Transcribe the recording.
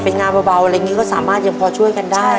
เป็นงานเบาอะไรอย่างนี้ก็สามารถยังพอช่วยกันได้